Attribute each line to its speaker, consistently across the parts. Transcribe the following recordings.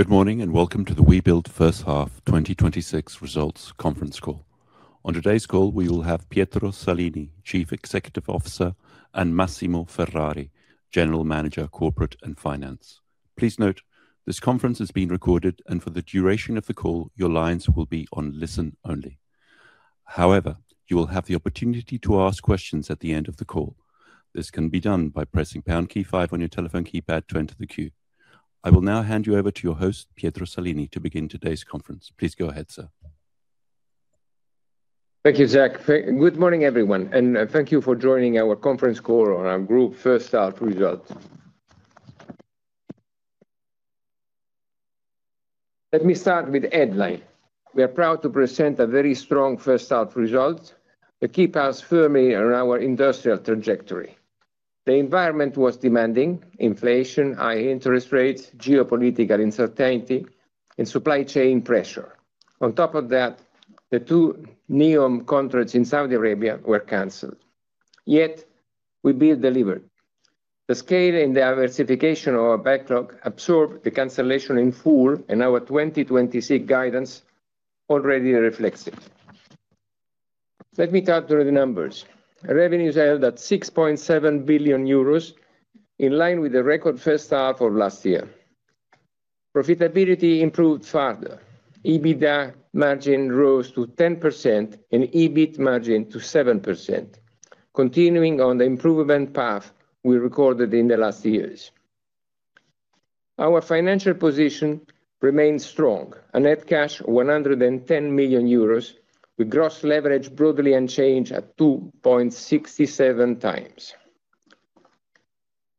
Speaker 1: Good morning, and welcome to the Webuild first half 2026 results conference call. On today's call, we will have Pietro Salini, Chief Executive Officer, and Massimo Ferrari, General Manager, Corporate and Finance. Please note, this conference is being recorded, for the duration of the call, your lines will be on listen only. You will have the opportunity to ask questions at the end of the call. This can be done by pressing pound key five on your telephone keypad to enter the queue. I will now hand you over to your host, Pietro Salini, to begin today's conference. Please go ahead, sir.
Speaker 2: Thank you, Zach. Good morning, everyone, thank you for joining our conference call on our group first half results. Let me start with the headline. We are proud to present a very strong first half result that keep us firmly on our industrial trajectory. The environment was demanding inflation, high interest rates, geopolitical uncertainty, and supply chain pressure. On top of that, the two NEOM contracts in Saudi Arabia were canceled. Webuild delivered. The scale and the diversification of our backlog absorbed the cancellation in full, our 2026 guidance already reflects it. Let me talk through the numbers. Revenues held at 6.7 billion euros, in line with the record first half of last year. Profitability improved further. EBITDA margin rose to 10% and EBIT margin to 7%, continuing on the improvement path we recorded in the last years. Our financial position remains strong. A net cash 110 million euros with gross leverage broadly unchanged at 2.67x.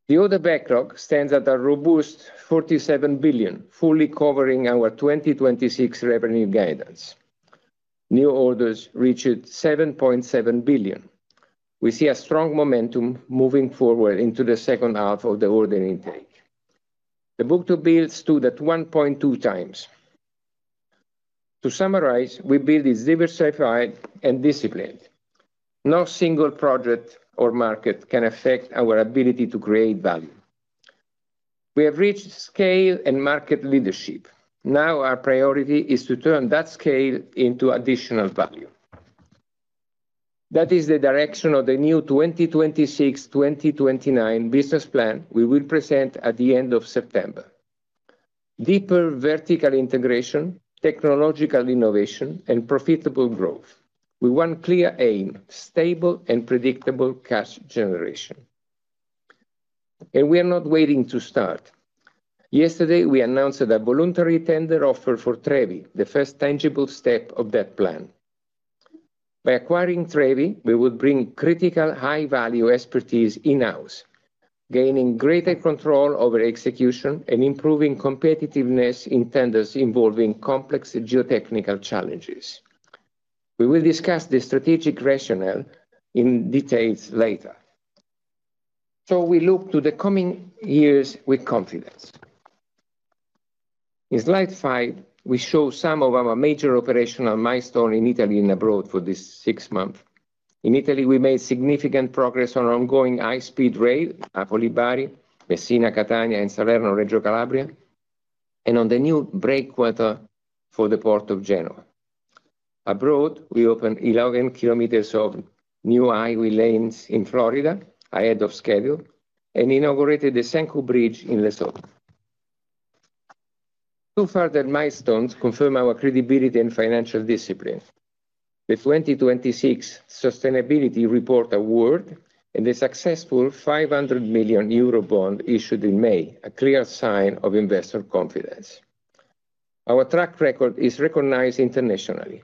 Speaker 2: The order backlog stands at a robust 47 billion, fully covering our 2026 revenue guidance. New orders reached 7.7 billion. We see a strong momentum moving forward into the second half of the order intake. The book-to-bill stood at 1.2x. To summarize, Webuild is diversified and disciplined. No single project or market can affect our ability to create value. We have reached scale and market leadership. Our priority is to turn that scale into additional value. That is the direction of the new 2026-2029 business plan we will present at the end of September. Deeper vertical integration, technological innovation, and profitable growth. We want clear aim, stable and predictable cash generation. We are not waiting to start. Yesterday, we announced that voluntary tender offer for Trevi, the first tangible step of that plan. By acquiring Trevi, we will bring critical high-value expertise in-house, gaining greater control over execution and improving competitiveness in tenders involving complex geotechnical challenges. We will discuss the strategic rationale in details later. We look to the coming years with confidence. In slide five, we show some of our major operational milestone in Italy and abroad for this six month. In Italy, we made significant progress on ongoing high-speed rail, Napoli-Bari, Messina-Catania, and Salerno-Reggio Calabria, on the new breakwater for the Port of Genoa. Abroad, we opened 11 km of new highway lanes in Florida, ahead of schedule, inaugurated the Senqu Bridge in Lesotho. Two further milestones confirm our credibility and financial discipline. The 2026 Sustainability Reporting Award and the successful 500 million euro bond issued in May, a clear sign of investor confidence. Our track record is recognized internationally.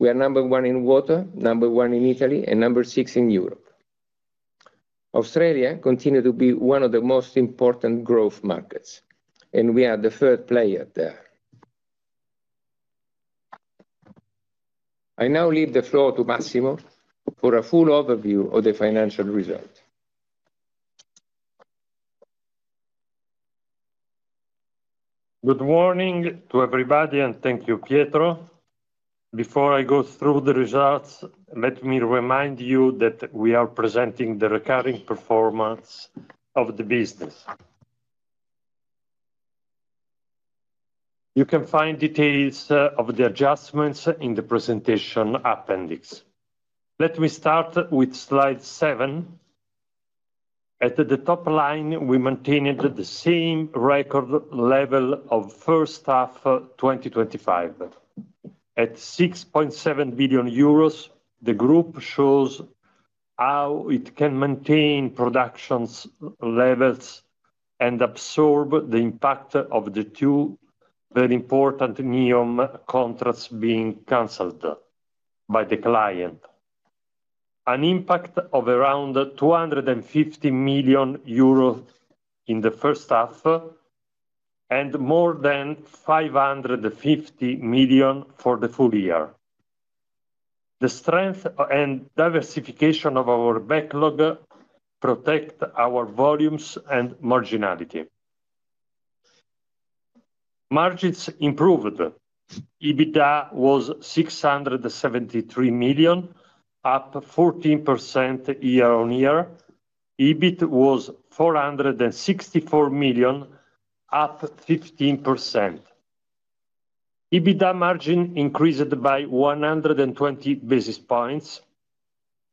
Speaker 2: We are number one in water, number one in Italy, and number six in Europe. Australia continue to be one of the most important growth markets, and we are the third player there. I now leave the floor to Massimo for a full overview of the financial result.
Speaker 3: Good morning to everybody, and thank you, Pietro. Before I go through the results, let me remind you that we are presenting the recurring performance of the business. You can find details of the adjustments in the presentation appendix. Let me start with slide seven. At the top line, we maintained the same record level of first half 2025. At 6.7 billion euros, the group shows how it can maintain productions levels and absorb the impact of the two very important NEOM contracts being canceled by the client. An impact of around 250 million euros in the first half, and more than 550 million for the full year. The strength and diversification of our backlog protect our volumes and marginality. Margins improved. EBITDA was 673 million, up 14% year-on-year. EBIT was 464 million, up 15%. EBITDA margin increased by 120 basis points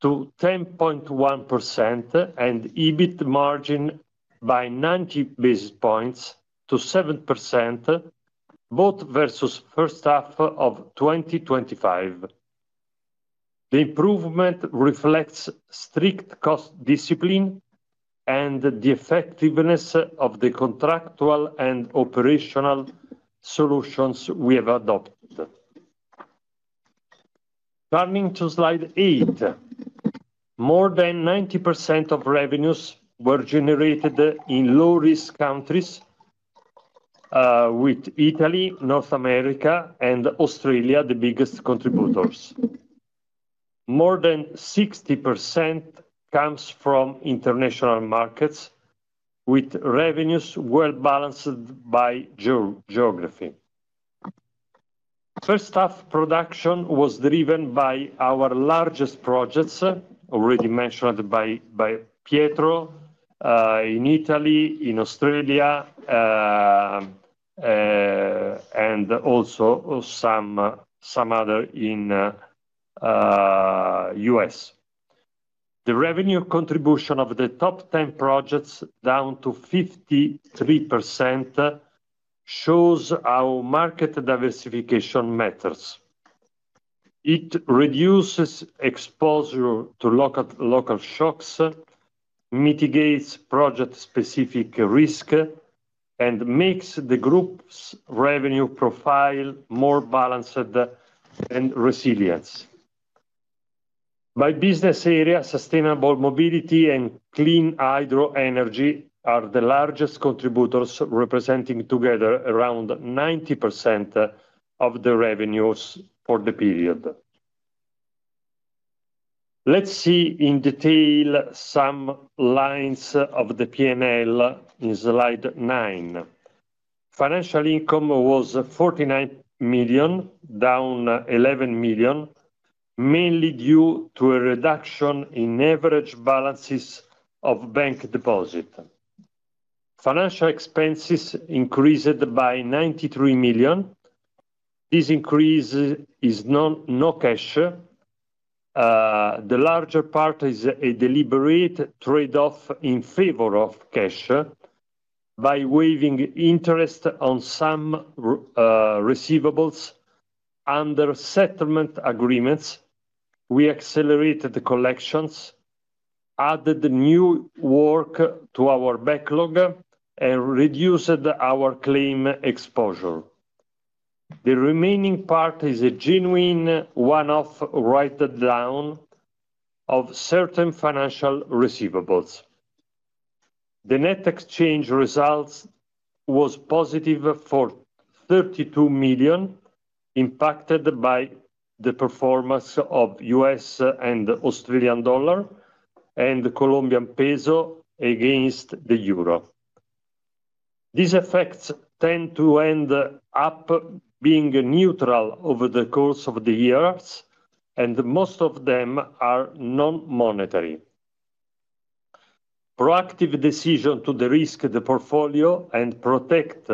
Speaker 3: to 10.1%, and EBIT margin by 90 basis points to 7%, both versus first half of 2025. The improvement reflects strict cost discipline and the effectiveness of the contractual and operational solutions we have adopted. Turning to slide eight. More than 90% of revenues were generated in low-risk countries, with Italy, North America, and Australia the biggest contributors. More than 60% comes from international markets, with revenues well-balanced by geography. First half production was driven by our largest projects, already mentioned by Pietro, in Italy, in Australia, and also some other in U.S.. The revenue contribution of the top 10 projects, down to 53%, shows how market diversification matters. It reduces exposure to local shocks, mitigates project-specific risk, and makes the group's revenue profile more balanced and resilient. By business area, sustainable mobility and clean hydro energy are the largest contributors, representing together around 90% of the revenues for the period. Let's see in detail some lines of the P&L in slide nine. Financial income was 49 million, down 11 million, mainly due to a reduction in average balances of bank deposit. Financial expenses increased by 93 million. This increase is no cash. The larger part is a deliberate trade-off in favor of cash. By waiving interest on some receivables under settlement agreements, we accelerated the collections, added new work to our backlog, and reduced our claim exposure. The remaining part is a genuine one-off write-down of certain financial receivables. The net exchange results was positive for 32 million, impacted by the performance of U.S. and Australian dollar and Colombian peso against the euro. These effects tend to end up being neutral over the course of the years. Most of them are non-monetary. Proactive decision to de-risk the portfolio and protect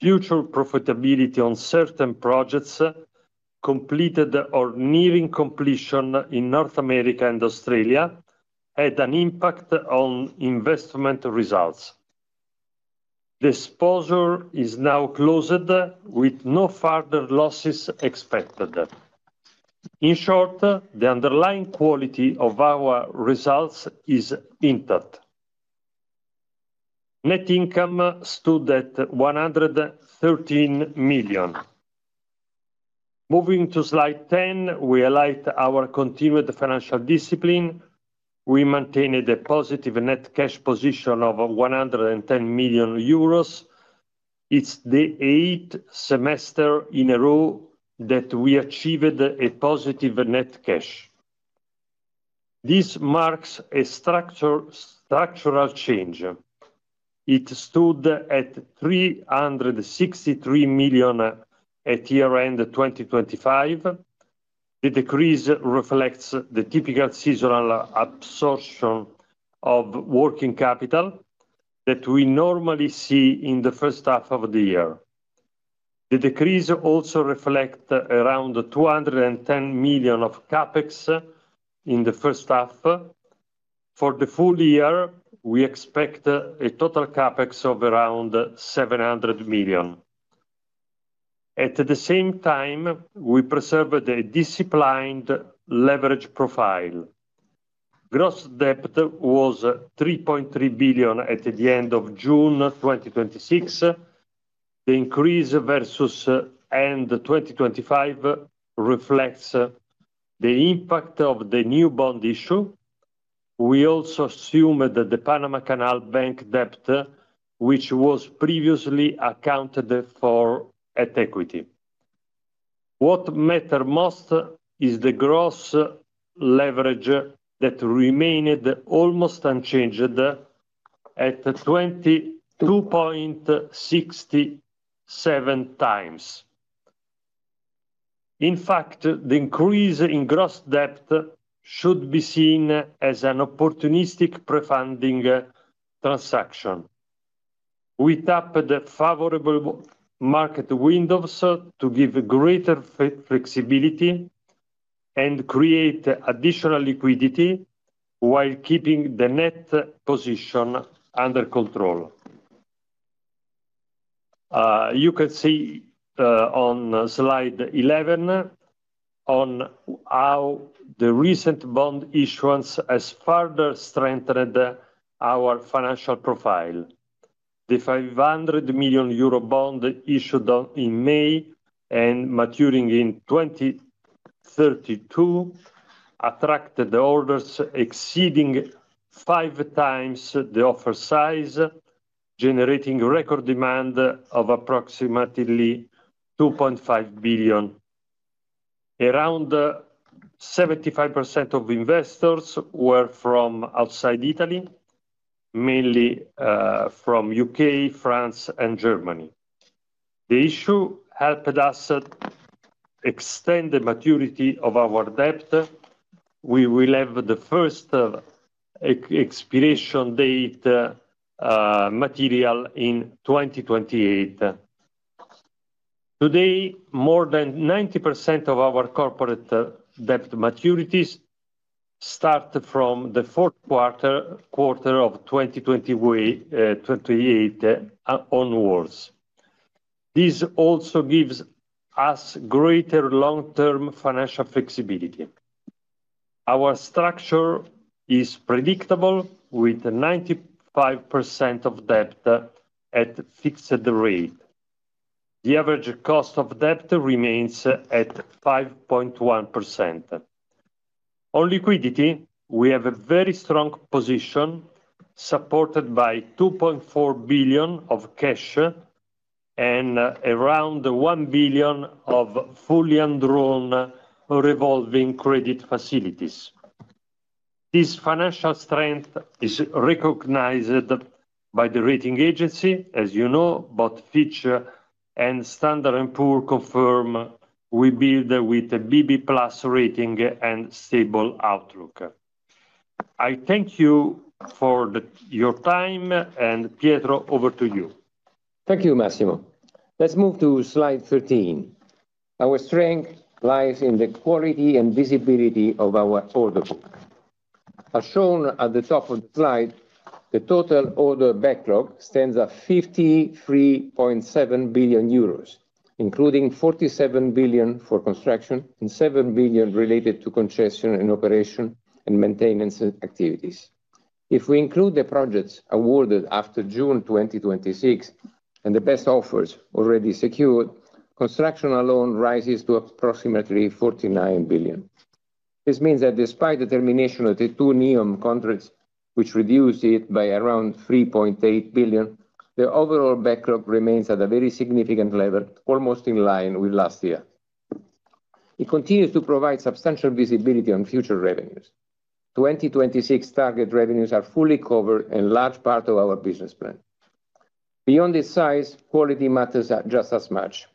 Speaker 3: future profitability on certain projects completed or nearing completion in North America and Australia had an impact on investment results. The exposure is now closed, with no further losses expected. In short, the underlying quality of our results is intact. Net income stood at 113 million. Moving to slide 10, we highlight our continued financial discipline. We maintained a positive net cash position of 110 million euros. It's the eighth semester in a row that we achieved a positive net cash. This marks a structural change. It stood at 363 million at year-end 2025. The decrease reflects the typical seasonal absorption of working capital that we normally see in the first half of the year. The decrease also reflect around 210 million of CapEx in the first half. For the full year, we expect a total CapEx of around 700 million. At the same time, we preserved a disciplined leverage profile. Gross debt was 3.3 billion at the end of June 2026. The increase versus end 2025 reflects the impact of the new bond issue. We also assumed that the Panama Canal Bank debt, which was previously accounted for at equity. What matter most is the gross leverage that remained almost unchanged at 22.67x. In fact, the increase in gross debt should be seen as an opportunistic pre-funding transaction. We tap the favorable market windows to give greater flexibility and create additional liquidity while keeping the net position under control. You can see on slide 11 on how the recent bond issuance has further strengthened our financial profile. The 500 million euro bond issued in May and maturing in 2032 attracted orders exceeding 5x the offer size, generating a record demand of approximately 2.5 billion. Around 75% of investors were from outside Italy, mainly from U.K., France, and Germany. The issue helped us extend the maturity of our debt. We will have the first expiration date material in 2028. Today, more than 90% of our corporate debt maturities start from the fourth quarter of 2028 onwards. This also gives us greater long-term financial flexibility. Our structure is predictable, with 95% of debt at fixed rate. The average cost of debt remains at 5.1%. On liquidity, we have a very strong position, supported by 2.4 billion of cash and around 1 billion of fully undrawn revolving credit facilities. This financial strength is recognized by the rating agency, as you know, both Fitch and Standard & Poor's confirm Webuild with a BB+ rating and stable outlook. I thank you for your time. Pietro, over to you.
Speaker 2: Thank you, Massimo. Let's move to slide 13. Our strength lies in the quality and visibility of our order book. As shown at the top of the slide, the total order backlog stands at 53.7 billion euros, including 47 billion for construction and 7 billion related to concession and operation and maintenance activities. If we include the projects awarded after June 2026 and the best offers already secured, construction alone rises to approximately 49 billion. This means that despite the termination of the two NEOM contracts, which reduced it by around 3.8 billion, the overall backlog remains at a very significant level, almost in line with last year. It continues to provide substantial visibility on future revenues. 2026 target revenues are fully covered in large part of our business plan. Beyond the size, quality matters just as much.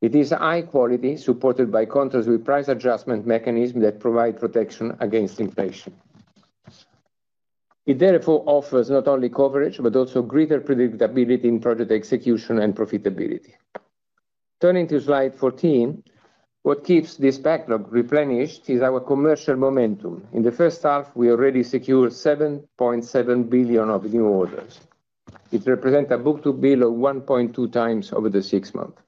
Speaker 2: It is high quality, supported by contracts with price adjustment mechanism that provide protection against inflation. It therefore offers not only coverage, but also greater predictability in project execution and profitability. Turning to slide 14, what keeps this backlog replenished is our commercial momentum. In the first half, we already secured 7.7 billion of new orders. It represent a book-to-bill of 1.2x over the six month.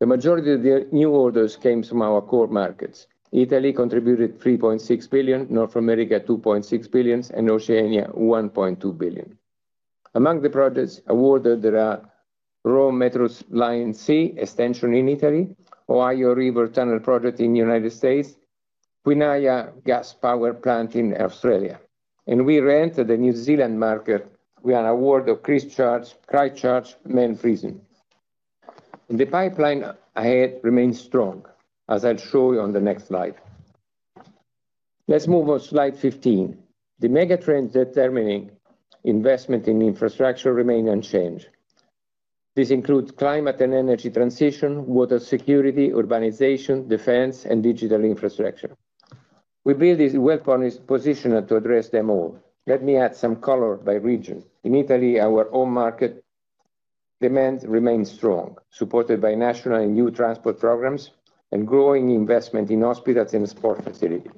Speaker 2: The majority of the new orders came from our core markets. Italy contributed 3.6 billion, North America 2.6 billion, and Oceania 1.2 billion. Among the projects awarded are Rome Metro Line C extension in Italy, Ohio River Tunnel project in United States, Kwinana Gas Power Plant in Australia. We reentered the New Zealand market with an award of Christchurch Men's Prison. The pipeline ahead remains strong, as I'll show you on the next slide. Let's move on slide 15. The megatrends determining investment in infrastructure remain unchanged. This includes climate and energy transition, water security, urbanization, defense, and digital infrastructure. Webuild is well positioned to address them all. Let me add some color by region. In Italy, our own market demand remains strong, supported by national and new transport programs and growing investment in hospitals and sport facilities.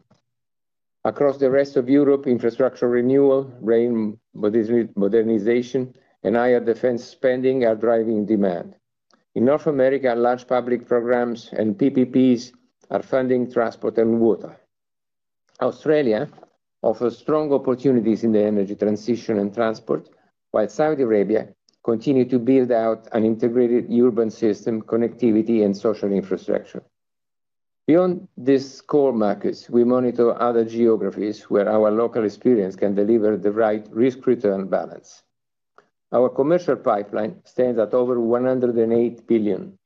Speaker 2: Across the rest of Europe, infrastructure renewal, rail modernization, and higher defense spending are driving demand. In North America, large public programs and PPPs are funding transport and water. Australia offers strong opportunities in the energy transition and transport, while Saudi Arabia continue to build out an integrated urban system, connectivity, and social infrastructure. Beyond these core markets, we monitor other geographies where our local experience can deliver the right risk-return balance. Our commercial pipeline stands at over 108 billion.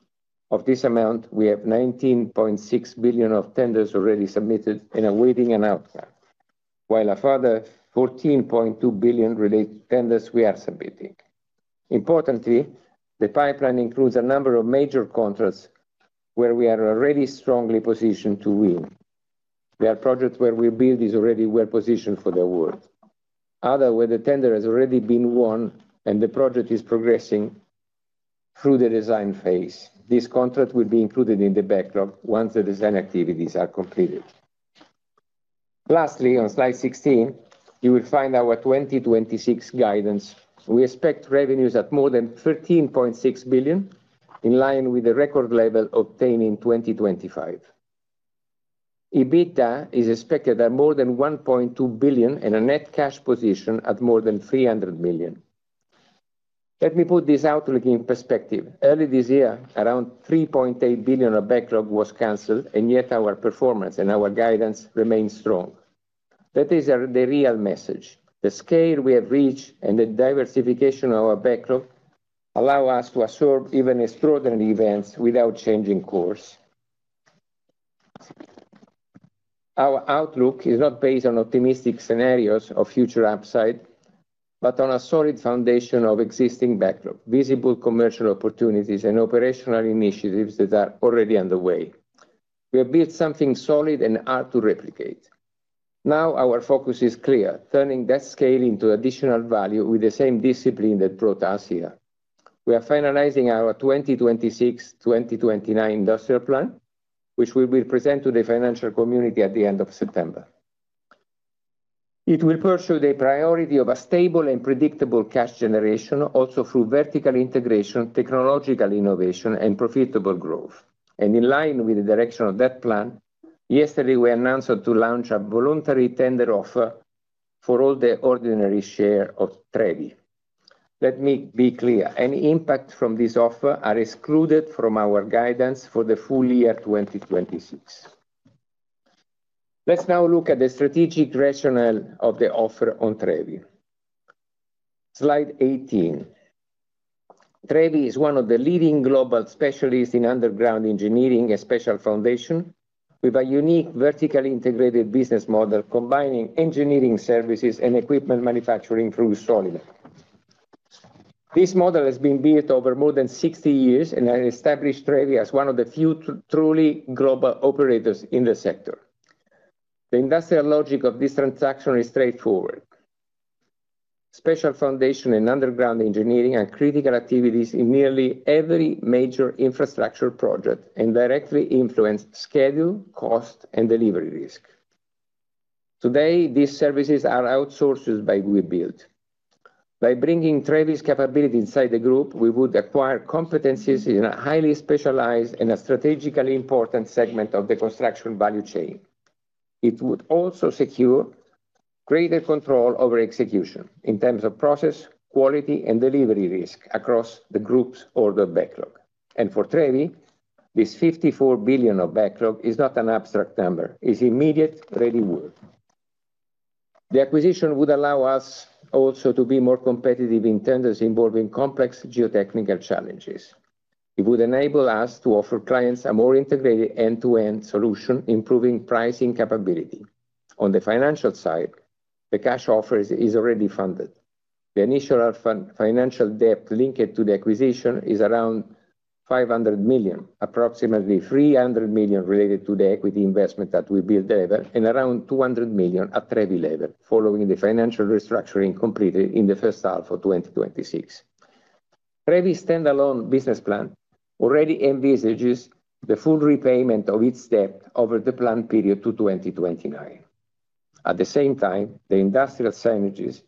Speaker 2: Of this amount, we have 19.6 billion of tenders already submitted and awaiting an outcome. While a further 14.2 billion relate tenders we are submitting. Importantly, the pipeline includes a number of major contracts where we are already strongly positioned to win. There are projects where Webuild is already well-positioned for the award. Other, where the tender has already been won and the project is progressing through the design phase. This contract will be included in the backlog once the design activities are completed. Lastly, on slide 16, you will find our 2026 guidance. We expect revenues of more than 13.6 billion, in line with the record level obtained in 2025. EBITDA is expected at more than 1.2 billion and a net cash position at more than 300 million. Let me put this outlook in perspective. Early this year, around 3.8 billion of backlog was canceled, yet our performance and our guidance remains strong. That is the real message. The scale we have reached and the diversification of our backlog allow us to absorb even extraordinary events without changing course. Our outlook is not based on optimistic scenarios of future upside, but on a solid foundation of existing backlog, visible commercial opportunities, and operational initiatives that are already underway. We have built something solid and hard to replicate. Now our focus is clear: turning that scale into additional value with the same discipline that brought us here. We are finalizing our 2026-2029 industrial plan, which we will present to the financial community at the end of September. It will pursue the priority of a stable and predictable cash generation, also through vertical integration, technological innovation, and profitable growth. In line with the direction of that plan, yesterday we announced to launch a voluntary tender offer for all the ordinary share of Trevi. Let me be clear. Any impact from this offer are excluded from our guidance for the full year 2026. Let's now look at the strategic rationale of the offer on Trevi. Slide 18. Trevi is one of the leading global specialists in underground engineering and special foundation, with a unique vertically integrated business model combining engineering services and equipment manufacturing through Soilmec. This model has been built over more than 60 years and has established Trevi as one of the few truly global operators in the sector. The industrial logic of this transaction is straightforward. Special foundation and underground engineering are critical activities in nearly every major infrastructure project and directly influence schedule, cost, and delivery risk. Today, these services are outsourced by Webuild. By bringing Trevi's capability inside the group, we would acquire competencies in a highly specialized and a strategically important segment of the construction value chain. It would also secure greater control over execution in terms of process, quality, and delivery risk across the group's order backlog. For Trevi, this 54 billion of backlog is not an abstract number, it's immediate ready work. The acquisition would allow us also to be more competitive in tenders involving complex geotechnical challenges. It would enable us to offer clients a more integrated end-to-end solution, improving pricing capability. On the financial side, the cash offer is already funded. The initial financial debt linked to the acquisition is around 500 million, approximately 300 million related to the equity investment at Webuild level, and around 200 million at Trevi level, following the financial restructuring completed in the first half of 2026. Trevi's standalone business plan already envisages the full repayment of its debt over the plan period to 2029. At the same time, the industrial synergies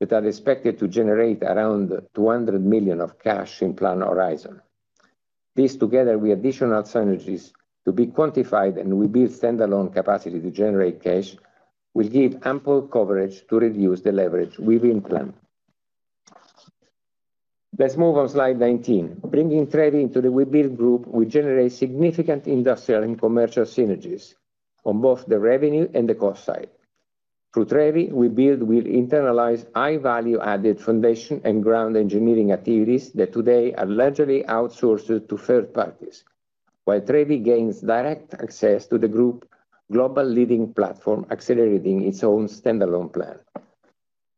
Speaker 2: that are expected to generate around 200 million of cash in plan horizon. This, together with additional synergies to be quantified and Webuild standalone capacity to generate cash, will give ample coverage to reduce the leverage within plan. Let's move on slide 19. Bringing Trevi into the Webuild group will generate significant industrial and commercial synergies on both the revenue and the cost side. Through Trevi, Webuild will internalize high value added foundation and ground engineering activities that today are largely outsourced to third parties, while Trevi gains direct access to the group global leading platform, accelerating its own standalone plan.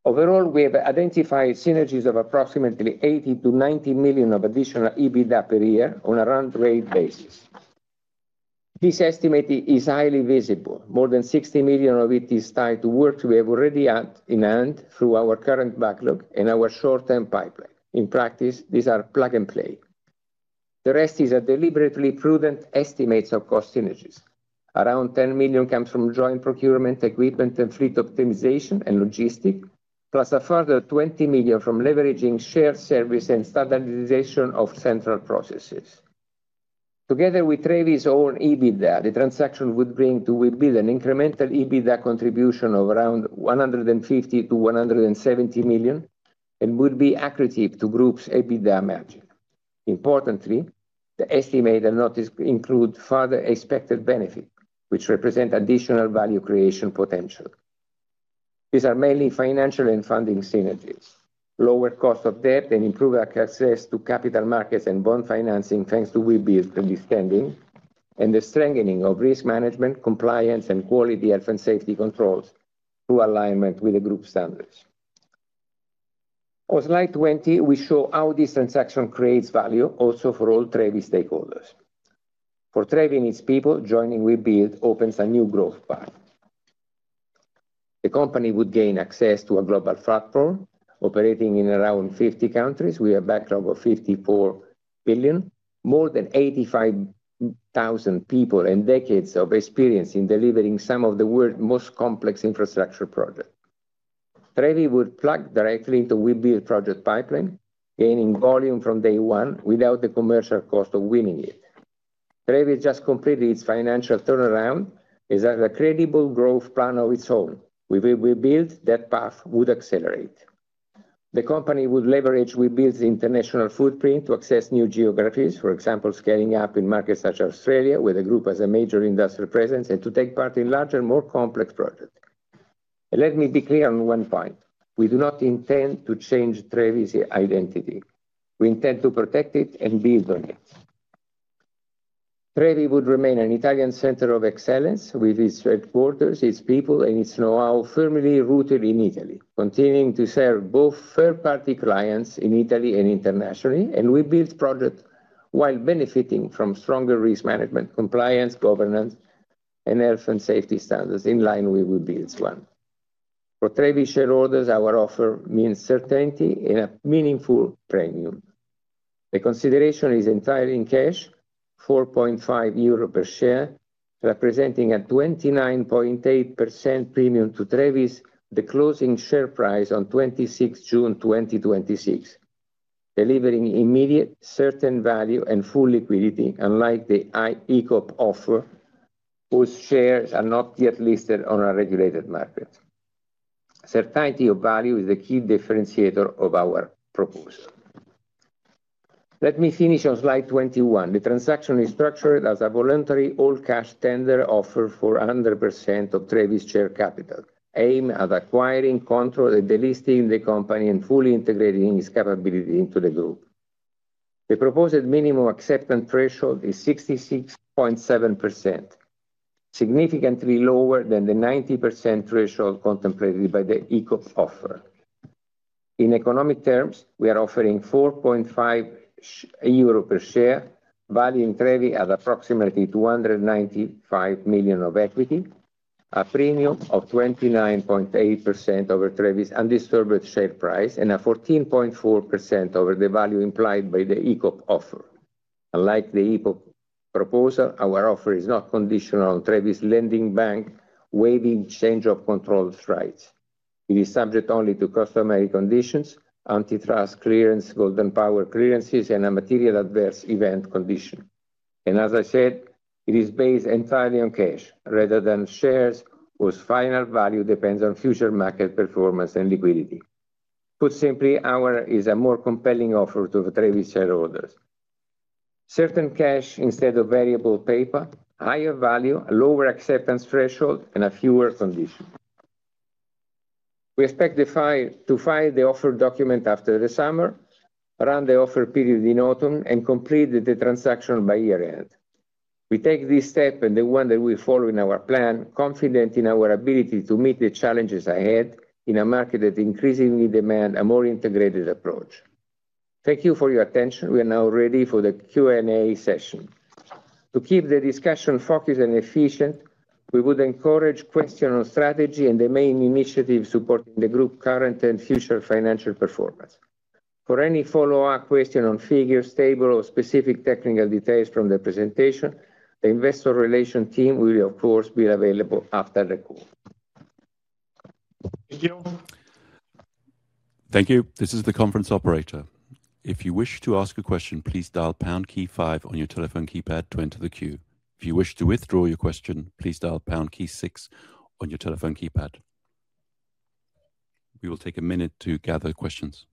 Speaker 2: Overall, we have identified synergies of approximately 80 million to 90 million of additional EBITDA per year on a run rate basis. This estimate is highly visible. More than 60 million of it is tied to work we have already in hand through our current backlog and our short-term pipeline. In practice, these are plug and play. The rest is a deliberately prudent estimates of cost synergies. Around 10 million comes from joint procurement, equipment and fleet optimization, and logistics, plus a further 20 million from leveraging shared service and standardization of central processes. Together with Trevi's own EBITDA, the transaction would bring to Webuild an incremental EBITDA contribution of around 150 million to 170 million and would be accretive to Group's EBITDA margin. Importantly, the estimate does not include further expected benefit, which represent additional value creation potential. These are mainly financial and funding synergies. Lower cost of debt and improved access to capital markets and bond financing, thanks to Webuild credit standing. The strengthening of risk management, compliance, and quality health and safety controls through alignment with the Group standards. On slide 20, we show how this transaction creates value also for all Trevi stakeholders. For Trevi and its people, joining Webuild opens a new growth path. The company would gain access to a global platform operating in around 50 countries with a backlog of 54 billion. More than 85,000 people, and decades of experience in delivering some of the world's most complex infrastructure projects. Trevi would plug directly into Webuild project pipeline, gaining volume from day one without the commercial cost of winning it. Trevi just completed its financial turnaround, it has a credible growth plan of its own. With Webuild, that path would accelerate. The company would leverage Webuild's international footprint to access new geographies. For example, scaling up in markets such as Australia, where the Group has a major industrial presence, and to take part in larger, more complex projects. Let me be clear on one point. We do not intend to change Trevi's identity. We intend to protect it and build on it. Trevi would remain an Italian center of excellence with its headquarters, its people, and its knowhow firmly rooted in Italy, continuing to serve both third-party clients in Italy and internationally, and Webuild projects while benefiting from stronger risk management, compliance, governance, and health and safety standards in line with Webuild's plan. For Trevi shareholders, our offer means certainty and a meaningful premium. The consideration is entirely in cash, 4.5 euro per share, representing a 29.8% premium to Trevi's the closing share price on 26 June 2026, delivering immediate certain value and full liquidity, unlike the ICOP offer, whose shares are not yet listed on a regulated market. Certainty of value is the key differentiator of our proposal. Let me finish on slide 21. The transaction is structured as a voluntary all cash tender offer for 100% of Trevi's share capital, aimed at acquiring control, delisting the company, and fully integrating its capability into the Group. The proposed minimum acceptance threshold is 66.7%, significantly lower than the 90% threshold contemplated by the ICOP offer. In economic terms, we are offering 4.5 euro per share, valuing Trevi at approximately 295 million of equity, a premium of 29.8% over Trevi's undisturbed share price, and a 14.4% over the value implied by the ICOP offer. Unlike the ICOP proposal, our offer is not conditional on Trevi's lending bank waiving change of control rights. It is subject only to customary conditions, antitrust clearance, Golden Power clearances, and a material adverse event condition. As I said, it is based entirely on cash rather than shares, whose final value depends on future market performance and liquidity. Put simply, ours is a more compelling offer to Trevi shareholders. Certain cash instead of variable paper, higher value, a lower acceptance threshold, and a fewer condition. We expect to file the offer document after the summer, run the offer period in autumn, and complete the transaction by year-end. We take this step, and the one that we follow in our plan, confident in our ability to meet the challenges ahead in a market that increasingly demand a more integrated approach. Thank you for your attention. We are now ready for the Q&A session. To keep the discussion focused and efficient, we would encourage questions on strategy and the main initiatives supporting the group current and future financial performance. For any follow-up question on figures, table, or specific technical details from the presentation, the investor relation team will, of course, be available after the call.
Speaker 1: Thank you. This is the conference operator. If you wish to ask a question, please dial pound key five on your telephone keypad to enter the queue. If you wish to withdraw your question, please dial pound key six on your telephone keypad. We will take a minute to gather questions.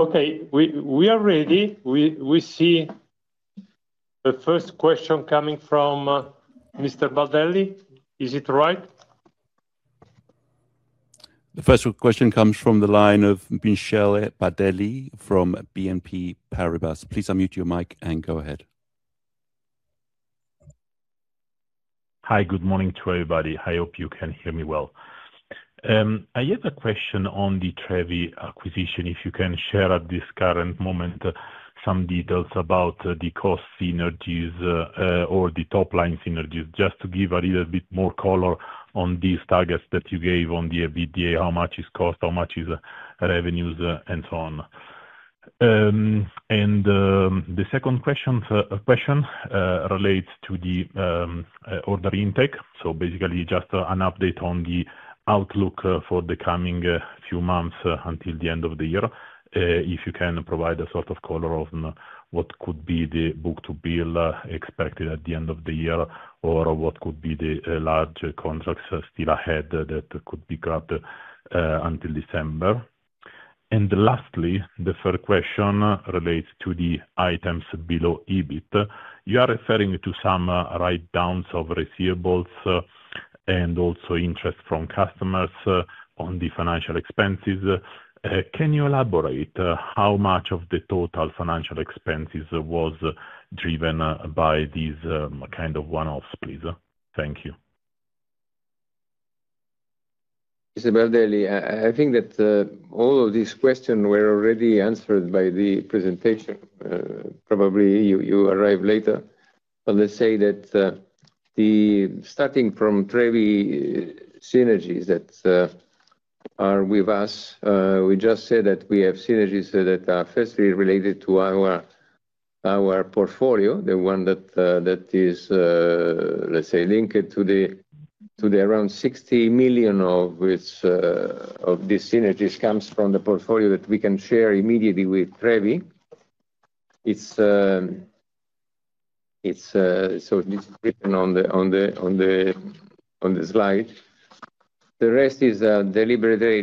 Speaker 3: Okay. We are ready. We see the first question coming from Mr. Baldelli. Is it right?
Speaker 1: The first question comes from the line of Michele Baldelli from BNP Paribas. Please unmute your mic and go ahead.
Speaker 4: Good morning to everybody. I hope you can hear me well. I have a question on the Trevi acquisition. If you can share at this current moment some details about the cost synergies or the top-line synergies, just to give a little bit more color on these targets that you gave on the EBITDA, how much is cost, how much is revenues, and so on. The second question relates to the order intake. Basically, just an update on the outlook for the coming few months until the end of the year. If you can provide a sort of color on what could be the book-to-bill expected at the end of the year, or what could be the large contracts still ahead that could be grabbed until December. Lastly, the third question relates to the items below EBIT. You are referring to some write-downs of receivables and also interest from customers on the financial expenses. Can you elaborate how much of the total financial expenses was driven by these kind of one-offs, please? Thank you.
Speaker 2: Baldelli, I think that all of these questions were already answered by the presentation. Probably you arrived later. Let's say that starting from Trevi synergies that are with us, we just said that we have synergies that are firstly related to our portfolio, the one that is, let's say, linked to the around 60 million of these synergies comes from the portfolio that we can share immediately with Trevi. It is written on the slide. The rest is deliberately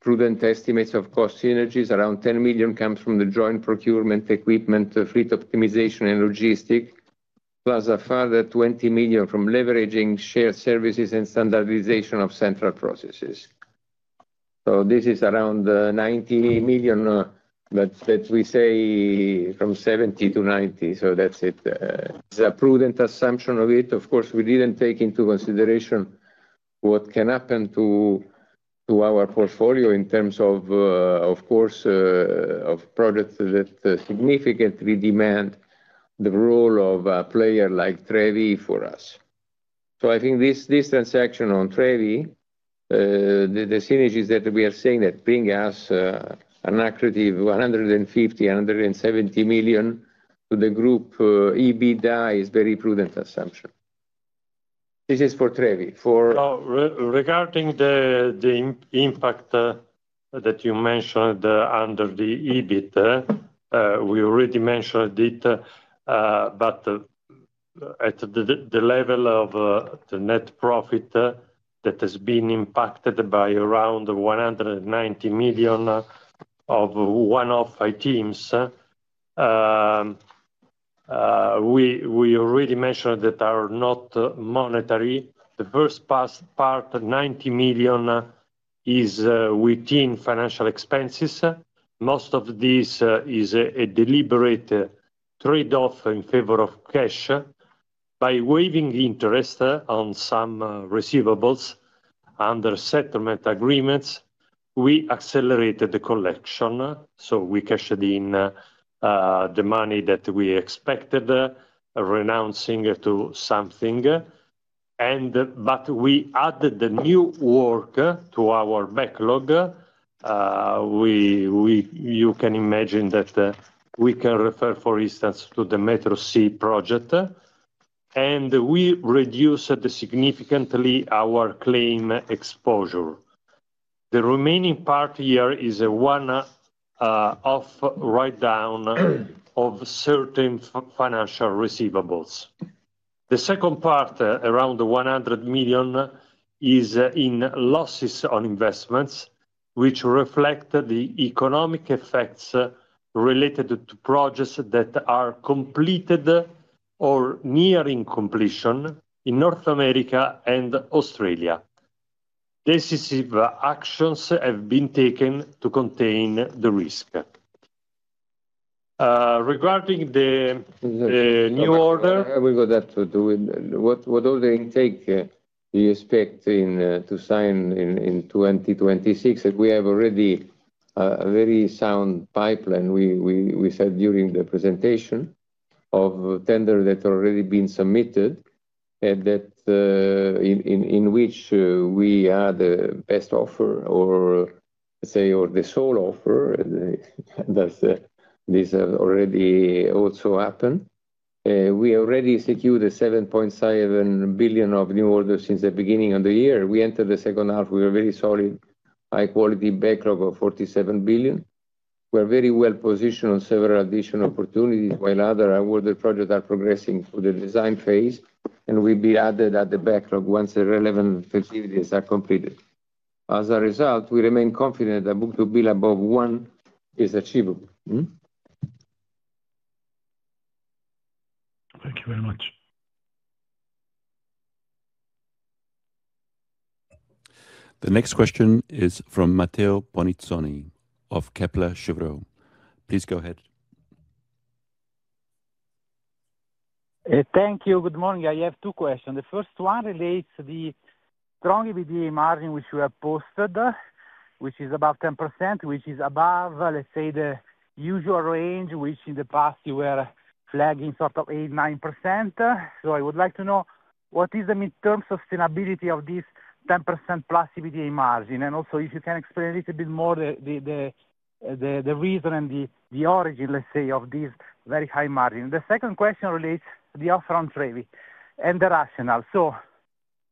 Speaker 2: prudent estimates of cost synergies. Around 10 million comes from the joint procurement equipment, fleet optimization, and logistics, plus a further 20 million from leveraging shared services and standardization of central processes. This is around 90 million, but that we say from 70-90 million, so that's it. It is a prudent assumption of it. Of course, we didn't take into consideration what can happen to our portfolio in terms of course, of products that significantly demand the role of a player like Trevi for us. I think this transaction on Trevi, the synergies that we are seeing that bring us an accretive of 150 million-170 million to the group, EBITDA is very prudent assumption. This is for Trevi.
Speaker 3: Regarding the impact that you mentioned under the EBIT, we already mentioned it, but at the level of the net profit that has been impacted by around 190 million of one-off items, we already mentioned that are not monetary. The first part, 90 million, is within financial expenses. Most of this is a deliberate trade-off in favor of cash. By waiving interest on some receivables under settlement agreements, we accelerated the collection. We cashed in the money that we expected, renouncing to something. We added the new work to our backlog. You can imagine that we can refer, for instance, to the Metro C project, and we reduced significantly our claim exposure. The remaining part here is a one-off write-down of certain financial receivables. The second part, around 100 million, is in losses on investments, which reflect the economic effects related to projects that are completed or nearing completion in North America and Australia. Decisive actions have been taken to contain the risk.
Speaker 2: I will go there to do it. What order intake do you expect to sign in 2026? We have already a very sound pipeline, we said during the presentation, of tender that already been submitted, in which we are the best offer or the sole offer. This already also happened. We already secured 7.7 billion of new orders since the beginning of the year. We entered the second half with a very solid high-quality backlog of 47 billion. We're very well positioned on several additional opportunities, while other awarded projects are progressing through the design phase and will be added at the backlog once the relevant formalities are completed. As a result, we remain confident that book-to-bill above one is achievable.
Speaker 4: Thank you very much.
Speaker 1: The next question is from Matteo Bonizzoni of Kepler Cheuvreux. Please go ahead.
Speaker 5: Thank you. Good morning. I have two questions. The first one relates to the strong EBITDA margin, which you have posted, which is above 10%, which is above, let's say, the usual range, which in the past you were flagging sort of 8%, 9%. I would like to know what is the mid-term sustainability of this 10%+ EBITDA margin? Also, if you can explain a little bit more the reason and the origin, let's say, of this very high margin. The second question relates to the offer on Trevi and the rationale.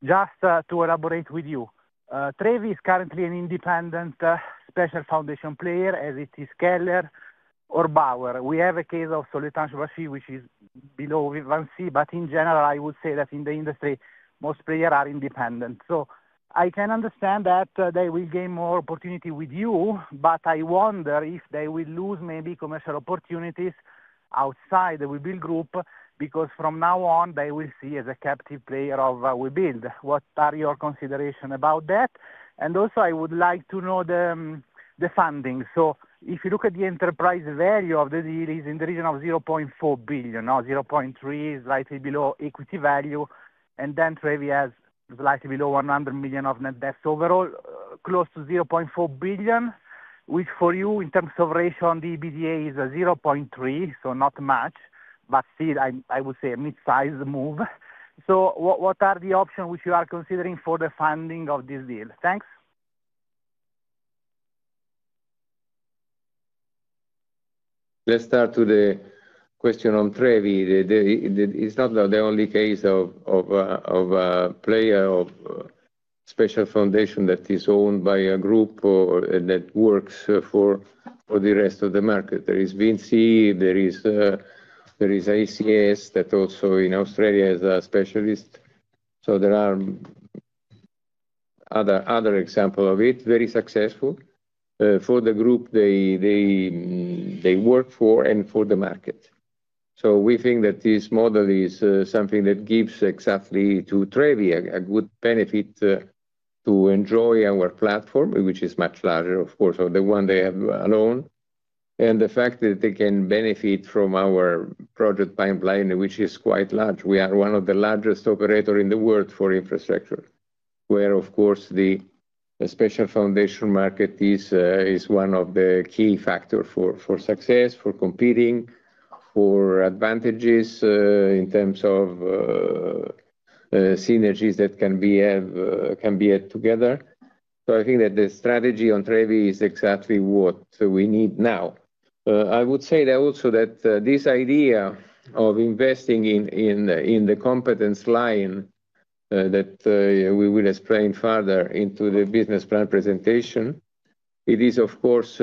Speaker 5: Just to elaborate with you, Trevi is currently an independent special foundation player, as is Keller or Bauer. We have a case of Soletanche Bachy, which is below Vinci, but in general, I would say that in the industry, most players are independent. I can understand that they will gain more opportunity with you, but I wonder if they will lose maybe commercial opportunities outside the Webuild Group, because from now on, they will see as a captive player of Webuild. What are your considerations about that? I would like to know the funding. If you look at the enterprise value of the deal, it is in the region of 0.4 billion or 0.3 billion, slightly below equity value, and then Trevi has slightly below 100 million of net debt. Overall, close to 0.4 billion, which for you in terms of ratio on the EBITDA is a 0.3, not much, but still, I would say a mid-size move. What are the options which you are considering for the funding of this deal? Thanks.
Speaker 2: Let's start with the question on Trevi. It's not the only case of a player of special foundation that is owned by a group or that works for the rest of the market. There is Vinci, there is ACS that also in Australia is a specialist. There are other examples of it, very successful, for the group they work for and for the market. We think that this model is something that gives exactly to Trevi a good benefit to enjoy our platform, which is much larger, of course, of the one they have alone. The fact that they can benefit from our project pipeline, which is quite large. We are one of the largest operators in the world for infrastructure, where, of course, the special foundation market is one of the key factors for success, for competing, for advantages, in terms of synergies that can be had together. I think that the strategy on Trevi is exactly what we need now. I would say that also that this idea of investing in the competence line, that we will explain further into the business plan presentation, it is, of course,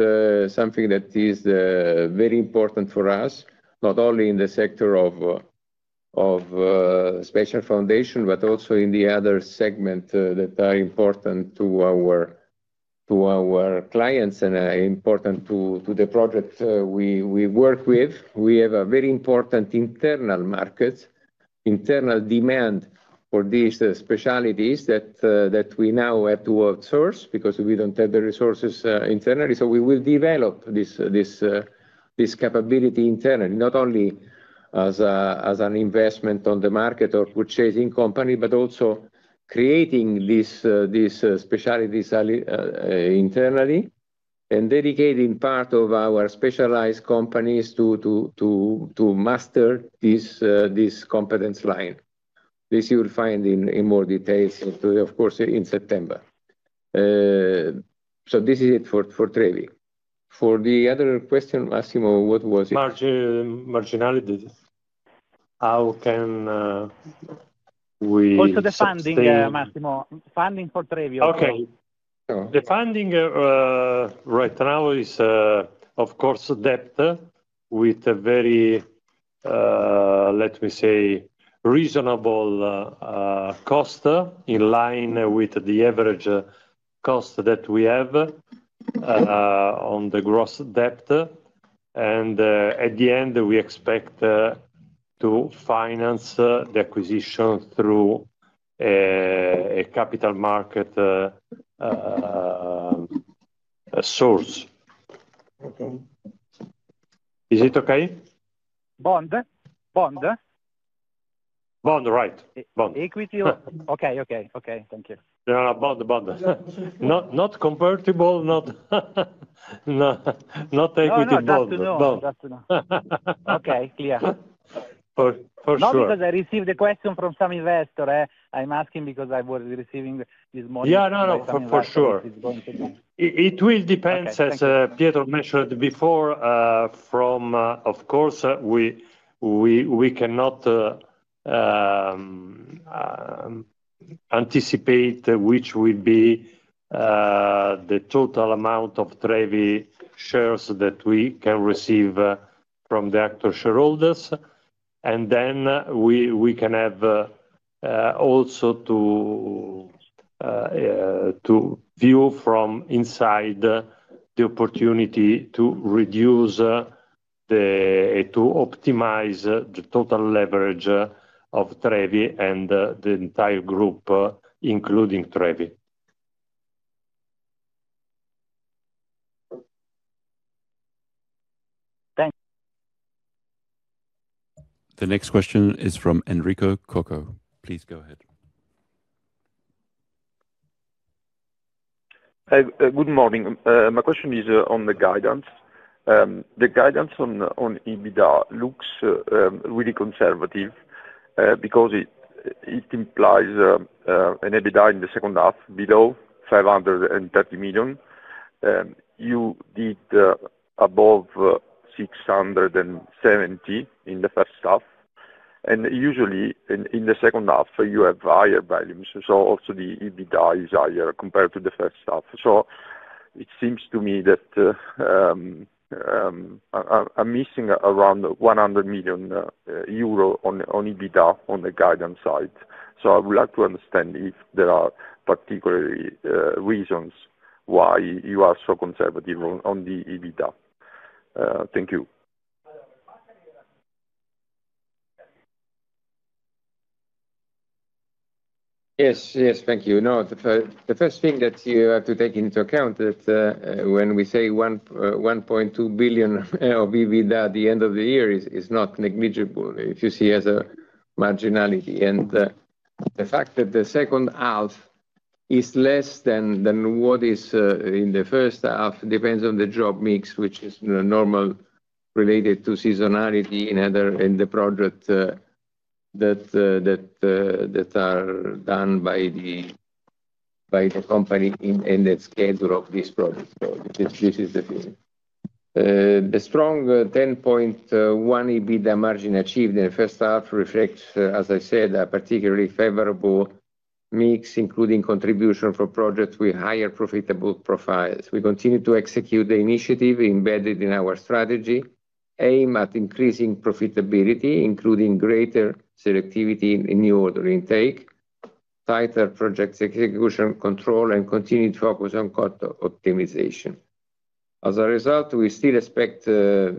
Speaker 2: something that is very important for us, not only in the sector of special foundation, but also in the other segment that are important to our clients and are important to the project we work with. We have a very important internal market, internal demand for these specialties that we now have to outsource because we don't have the resources internally. We will develop this capability internally, not only as an investment on the market or purchasing company, but also creating these specialties internally and dedicating part of our specialized companies to master this competence line. This you will find in more details, of course, in September. This is it for Trevi. For the other question, Massimo, what was it?
Speaker 3: Marginalities. How can we sustain-
Speaker 5: Also the funding, Massimo. Funding for Trevi overall.
Speaker 3: The funding right now is, of course, debt with a very, let me say, reasonable cost in line with the average cost that we have on the gross debt. At the end, we expect to finance the acquisition through a capital market source. Is it okay?
Speaker 5: Bond? Bond?
Speaker 3: Bond, right. Bond.
Speaker 5: Equity or Okay. Thank you.
Speaker 3: Bond. Not convertible, not equity bond. No.
Speaker 5: Just to know. Okay. Clear.
Speaker 3: For sure.
Speaker 5: Not because I received a question from some investor. I'm asking because I was receiving this morning.
Speaker 3: No, for sure.
Speaker 5: From investor if it's going to be.
Speaker 3: It will depend, as Pietro mentioned before, from, of course, we cannot anticipate which will be the total amount of Trevi shares that we can receive from the actual shareholders. Then we can have also to view from inside the opportunity to reduce, to optimize the total leverage of Trevi and the entire group, including Trevi.
Speaker 5: Thanks.
Speaker 1: The next question is from Enrico Coco. Please go ahead.
Speaker 6: Good morning. My question is on the guidance. The guidance on EBITDA looks really conservative, because it implies an EBITDA in the second half below 530 million. You did above 670 million in the first half. Usually, in the second half, you have higher volumes, also the EBITDA is higher compared to the first half. It seems to me that I'm missing around 100 million euro on EBITDA on the guidance side. I would like to understand if there are particular reasons why you are so conservative on the EBITDA. Thank you.
Speaker 2: Thank you. The first thing that you have to take into account that when we say 1.2 billion of EBITDA at the end of the year is not negligible, if you see as a marginality. The fact that the second half is less than what is in the first half depends on the job mix, which is normal, related to seasonality and the project that are done by the company and the schedule of this project. This is the thing. The strong 10.1% EBITDA margin achieved in the first half reflects, as I said, a particularly favorable mix, including contribution for projects with higher profitable profiles. We continue to execute the initiative embedded in our strategy, aim at increasing profitability, including greater selectivity in new order intake, tighter project execution control, and continued focus on cost optimization. As a result, we still expect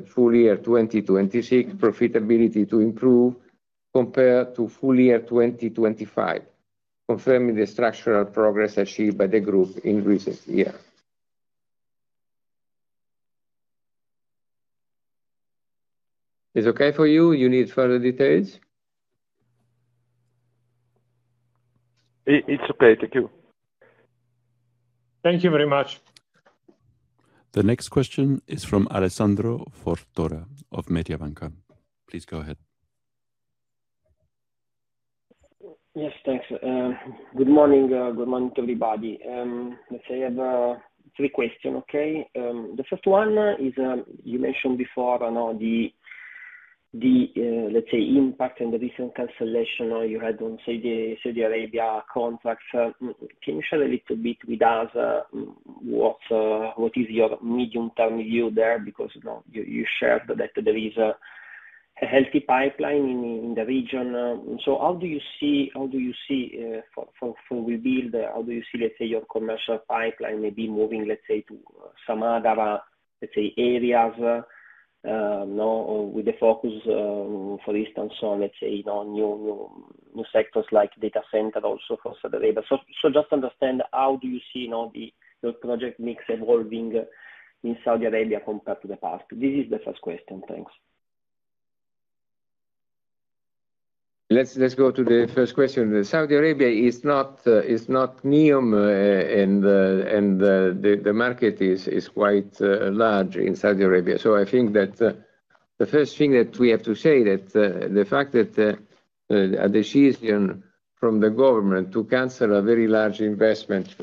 Speaker 2: full year 2026 profitability to improve compared to full year 2025, confirming the structural progress achieved by the group in recent year. It's okay for you? You need further details?
Speaker 6: It's okay. Thank you.
Speaker 3: Thank you very much.
Speaker 1: The next question is from Alessandro Tortora of Mediobanca. Please go ahead.
Speaker 7: Thanks. Good morning, everybody. I have three question, okay? The first one is, you mentioned before, I know the impact and the recent cancellation you had on Saudi Arabia contracts. Can you share a little bit with us what is your medium-term view there? Because you shared that there is a healthy pipeline in the region. How do you see, for Webuild, how do you see your commercial pipeline maybe moving to some other areas, with the focus, for instance on new sectors like data center, also for Saudi Arabia. Just understand how do you see now the project mix evolving in Saudi Arabia compared to the past? This is the first question. Thanks.
Speaker 2: Let's go to the first question. Saudi Arabia is not NEOM, the market is quite large in Saudi Arabia. I think that the first thing that we have to say that the fact that a decision from the government to cancel a very large investment,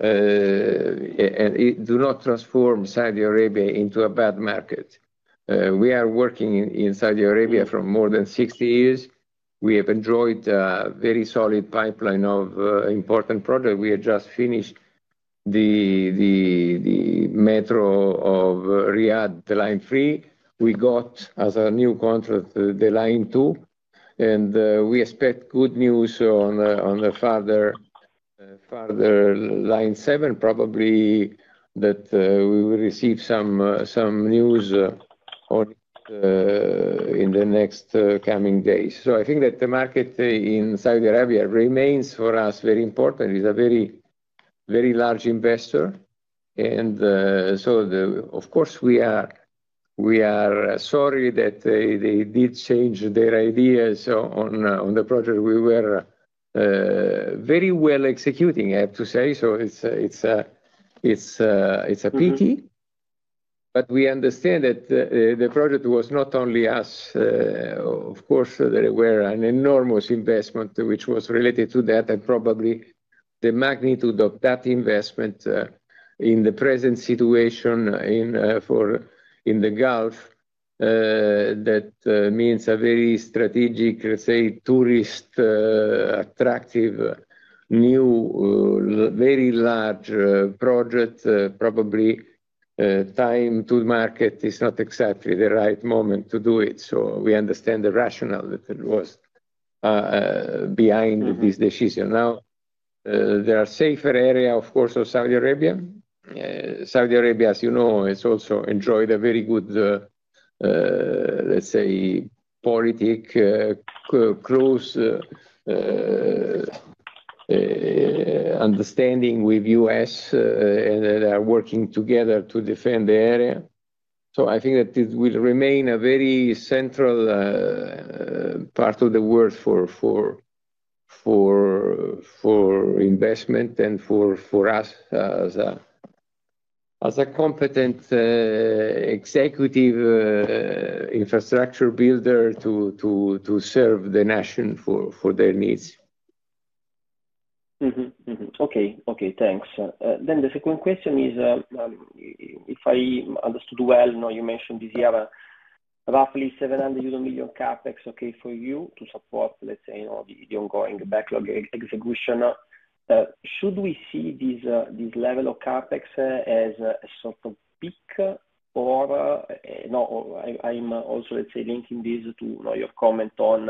Speaker 2: it do not transform Saudi Arabia into a bad market. We are working in Saudi Arabia for more than 60 years. We have enjoyed a very solid pipeline of important project. We had just finished the metro of Riyadh, the Line 3. We got, as a new contract, the Line 2, and we expect good news on the further Line 7, probably that we will receive some news on it in the next coming days. I think that the market in Saudi Arabia remains, for us, very important. It's a very large investor, of course we are sorry that they did change their ideas on the project we were very well executing, I have to say. It's a pity, we understand that the project was not only us. Of course, there were an enormous investment which was related to that, and probably the magnitude of that investment, in the present situation in the Gulf, that means a very strategic, tourist, attractive, new, very large project, probably time to market is not exactly the right moment to do it. We understand the rationale that was behind this decision. Now, there are safer area, of course, of Saudi Arabia. Saudi Arabia, as you know, has also enjoyed a very good, politic close understanding with U.S., working together to defend the area. I think that it will remain a very central part of the world for investment and for us as a competent executive infrastructure builder to serve the nation for their needs.
Speaker 7: Thanks. The second question is, if I understood well, you mentioned this year, roughly 700 million CapEx, okay, for you to support, let's say, the ongoing backlog execution. Should we see this level of CapEx as a sort of peak or I'm also, let's say, linking this to your comment on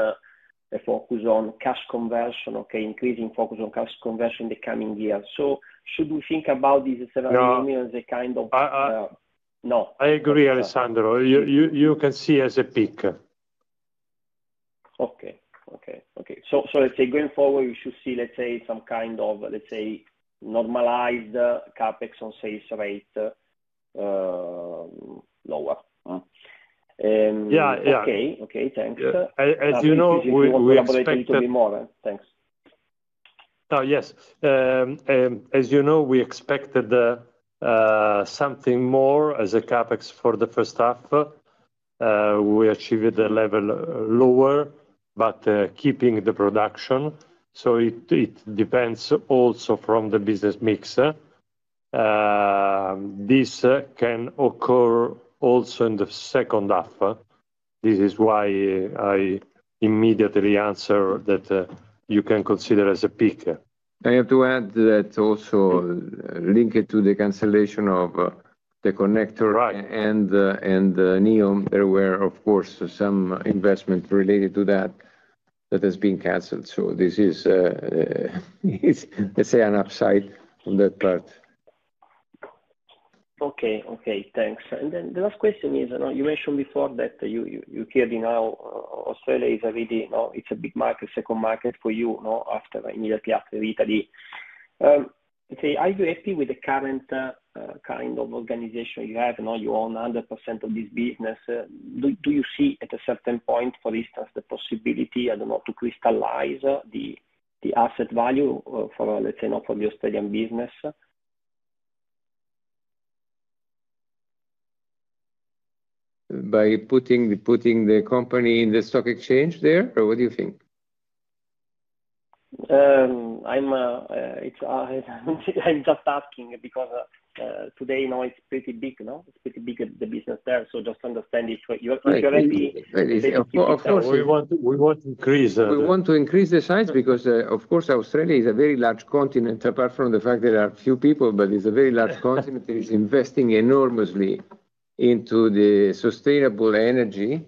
Speaker 7: the focus on cash conversion, okay, increasing focus on cash conversion in the coming years. Should we think about this 700 million as a kind of No?
Speaker 2: I agree, Alessandro. You can see it as a peak.
Speaker 7: Let's say, going forward, we should see, let's say, some kind of normalized CapEx on sales rate lower. Okay. Thanks.
Speaker 2: As you know, we expected-
Speaker 7: If you want to elaborate a little bit more. Thanks.
Speaker 2: As you know, we expected something more as a CapEx for the first half. We achieved a level lower, but keeping the production. It depends also from the business mix. This can occur also in the second half. This is why I immediately answer that you can consider as a peak. I have to add that also link it to the cancellation of the Connector and the NEOM. There were, of course, some investment related to that that has been canceled. This is let's say, an upside on that part.
Speaker 7: Thanks. The last question is, you mentioned before that you clearly know Australia is a really big market, second market for you, immediately after Italy. Are you happy with the current kind of organization you have? You own 100% of this business. Do you see at a certain point, for instance, the possibility, I don't know, to crystallize the asset value, let's say, for the Australian business?
Speaker 2: By putting the company in the stock exchange there? What do you think?
Speaker 7: I'm just asking because, today, it's pretty big, the business there. Just to understand if you're happy.
Speaker 2: Of course, we want to increase the size because, of course, Australia is a very large continent, apart from the fact there are few people, but it's a very large continent that is investing enormously into the sustainable energy.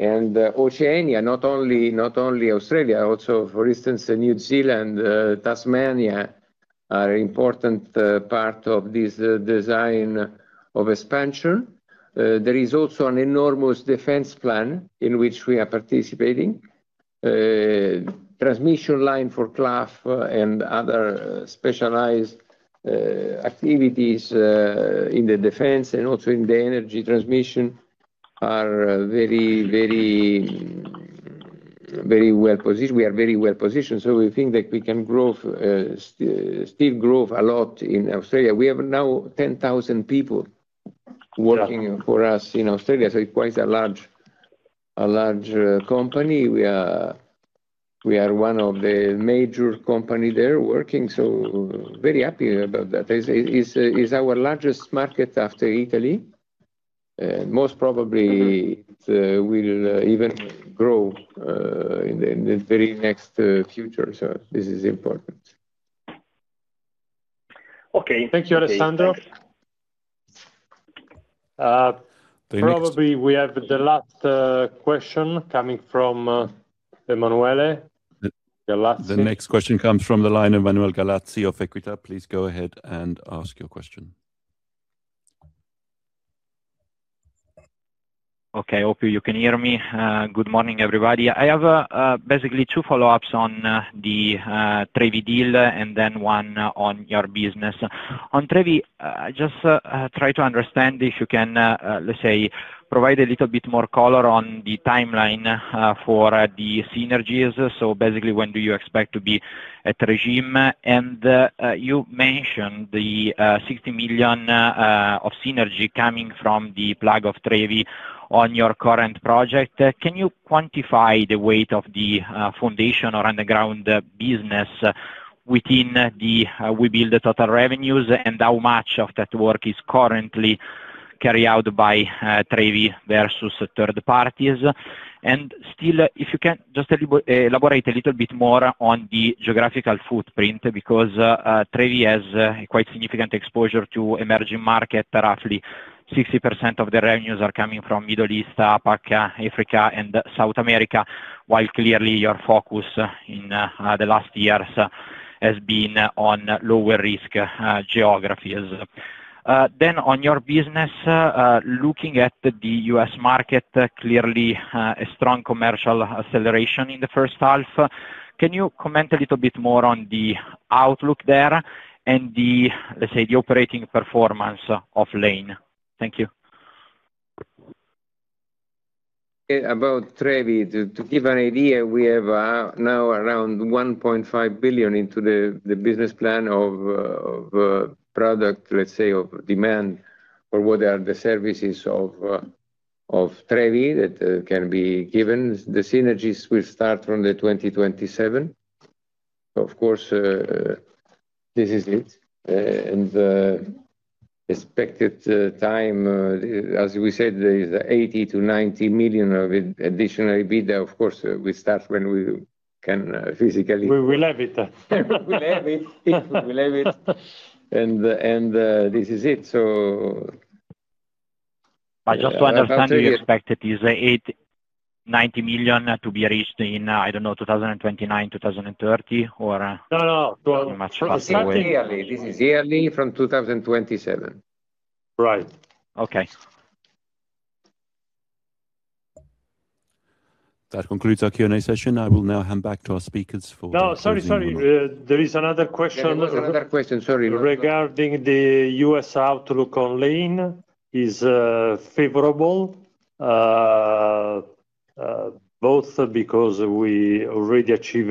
Speaker 2: Oceania, not only Australia, also, for instance, New Zealand, Tasmania, are important part of this design of expansion. There is also an enormous defense plan in which we are participating. Transmission line for Clough and other specialized activities in the defense and also in the energy transmission are very well positioned. We are very well positioned. We think that we can still grow a lot in Australia. We have now 10,000 people working for us in Australia, so it's quite a large company. We are one of the major company there working, so very happy about that. It's our largest market after Italy. Most probably, it will even grow in the very next future. This is important.
Speaker 7: Okay.
Speaker 2: Thank you, Alessandro. Probably we have the last question coming from Emanuele Gallazzi.
Speaker 1: The next question comes from the line, Emanuele Gallazzi of Equita. Please go ahead and ask your question.
Speaker 8: Hope you can hear me. Good morning, everybody. I have basically two follow-ups on the Trevi deal and then one on your business. On Trevi, just try to understand if you can, let's say, provide a little bit more color on the timeline for the synergies. When do you expect to be at regime? You mentioned the 60 million of synergy coming from the plug of Trevi on your current project. Can you quantify the weight of the foundation or underground business within the Webuild total revenues, and how much of that work is currently carried out by Trevi versus third parties? If you can, just elaborate a little bit more on the geographical footprint, because Trevi has a quite significant exposure to emerging market. Roughly 60% of the revenues are coming from Middle East, APAC, Africa, and South America, while clearly your focus in the last years has been on lower risk geographies. On your business, looking at the U.S. market, clearly a strong commercial acceleration in the first half. Can you comment a little bit more on the outlook there and, let's say, the operating performance of Lane? Thank you.
Speaker 2: About Trevi, to give an idea, we have now around 1.5 billion into the business plan of product, let's say, of demand or what are the services of Trevi that can be given. The synergies will start from the 2027. Of course, this is it. The expected time, as we said, is 80 million to 90 million of additional EBITDA. Of course, we start when we can physically-
Speaker 3: We will have it.
Speaker 2: We will have it. This is it.
Speaker 8: Just to understand, you expect it, this 80 million-90 million to be reached in, I don't know, 2029, 2030?
Speaker 2: No
Speaker 8: Much faster way.
Speaker 2: This is yearly from 2027.
Speaker 3: Right.
Speaker 8: Okay.
Speaker 1: That concludes our Q&A session. I will now hand back to our speakers.
Speaker 3: No, sorry. There is another question.
Speaker 2: There is another question, sorry.
Speaker 3: Regarding the U.S. outlook on Lane is favorable, both because we already achieved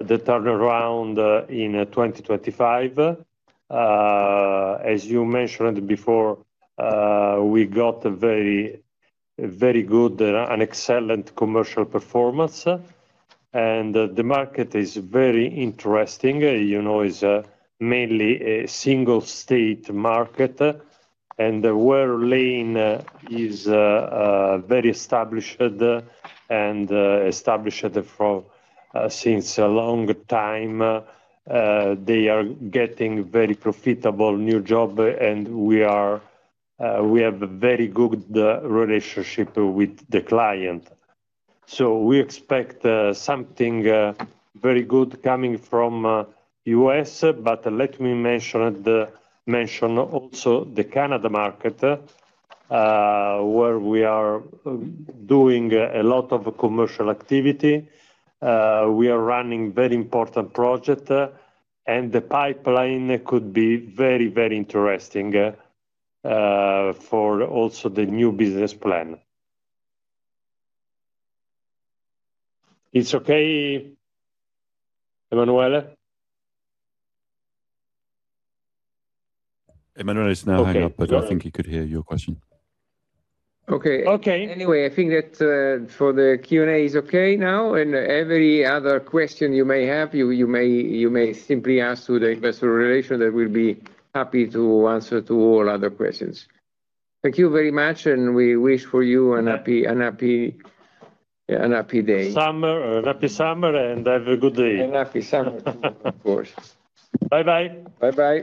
Speaker 3: the turnaround in 2025. As you mentioned before, we got a very good and excellent commercial performance, and the market is very interesting. It's mainly a single-state market, and where Lane is very established, and established since a long time, they are getting very profitable new job, and we have a very good relationship with the client. We expect something very good coming from U.S.. Let me mention also the Canada market, where we are doing a lot of commercial activity. We are running very important project, and the pipeline could be very interesting for also the new business plan. It's okay, Emanuele?
Speaker 1: Emanuele is now hanging up, but I think he could hear your question.
Speaker 3: Okay.
Speaker 2: I think that for the Q&A is okay now, and every other question you may have, you may simply ask to the investor relation, they will be happy to answer to all other questions. Thank you very much, and we wish for you an happy day.
Speaker 3: Happy summer, and have a good day.
Speaker 2: Happy summer too, of course.
Speaker 3: Bye-bye.
Speaker 2: Bye-bye.